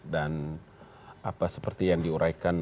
dan apa seperti yang diuraikan